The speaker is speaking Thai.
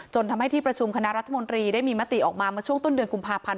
ทำให้ที่ประชุมคณะรัฐมนตรีได้มีมติออกมามาช่วงต้นเดือนกุมภาพันธ์